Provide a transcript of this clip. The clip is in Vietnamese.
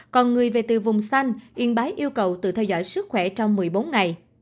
còn người về từ vùng xanh yên bái yêu cầu tự theo dõi sức khỏe trong một mươi bốn ngày